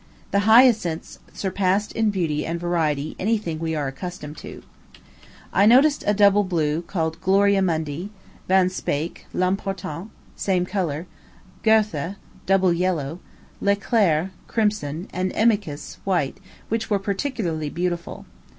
The hyacinths surpassed in beauty and variety any thing we are accustomed to. I noticed a double blue, called Gloria Mundi; Van Speyk, L'Importante, same color; Goethe, double yellow; L'Eclair, crimson; and Emicus, white, which were particularly beautiful.